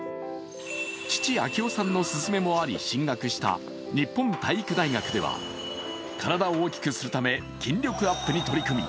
父・明夫さんの勧めもあり進学した日本体育大学では、体を大きくするため筋力アップに取り組み